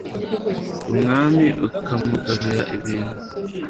umwami akamugabira ibintu